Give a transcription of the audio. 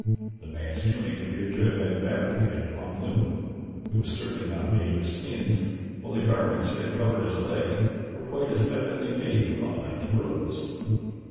The man's tunic appeared to have been fabricated upon a loom it was certainly not made of skins, while the garments that covered his legs were quite as evidently made from the hides of rodents.